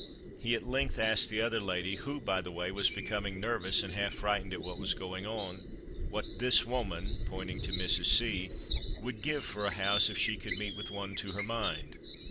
He at length asked the other lady who, by the way, was becoming nervous and half frightened at what was going on "what this woman," pointing to Mrs. C , "would give for a house if she could meet with one to her mind."